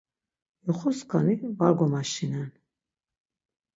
Yoxo-skani var gomaşinen.